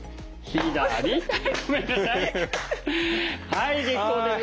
はい結構です。